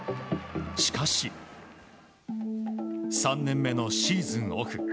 しかし、３年目のシーズンオフ。